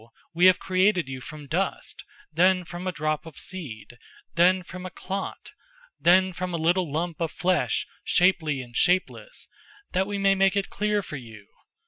We have created you from dust, then from a drop of seed, then from a clot, then from a little lump of flesh shapely and shapeless, that We may make (it) clear for you.